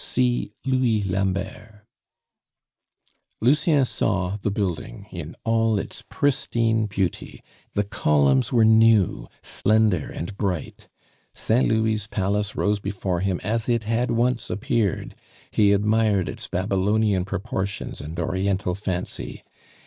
(See Louis Lambert.) Lucien saw the building in all its pristine beauty; the columns were new, slender and bright; Saint Louis' Palace rose before him as it had once appeared; he admired its Babylonian proportions and Oriental fancy.